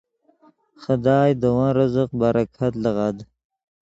خدائے دے ون رزق برکت لیغد